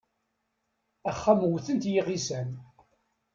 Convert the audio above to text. Axxam wwten-t yiγisan.